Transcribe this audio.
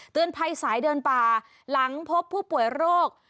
ภัยสายเดินป่าหลังพบผู้ป่วยโรค